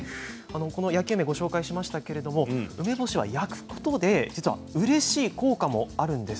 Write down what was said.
焼き梅をご紹介しましたけれど梅干しは焼くことでうれしい効果もあるんです。